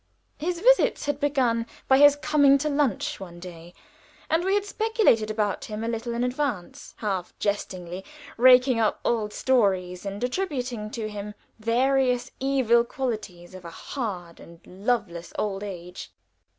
His visits had begun by his coming to lunch one day, and we had speculated about him a little in advance, half jestingly, raking up old stories, and attributing to him various evil qualities of a hard and loveless old age.